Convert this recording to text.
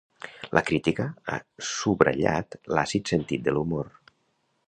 La crítica ha subratllat l'àcid sentit de l'humor.